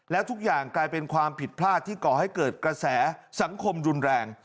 และทุกอย่างกลายเป็นความผิดพลาดที่ก่อให้เกิดกระแสสังคมรุนแรง